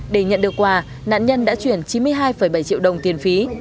để nhận được quà nạn nhân đã chuyển chín mươi hai bảy triệu đồng tiền phí